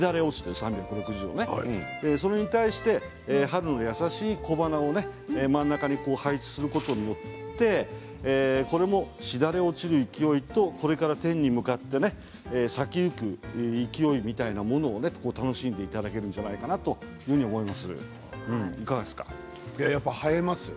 ３６０度、それに対して春の優しい小花の真ん中に配置することでこれもしだれ落ちる勢いとこれから天に向かって咲きゆく勢いみたいなものを楽しんでいただけるんじゃないかなと思います。